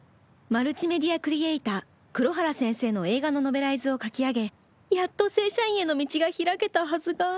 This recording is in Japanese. マルチメディアクリエイター黒原先生の映画のノベライズを書き上げやっと正社員への道が開けたはずが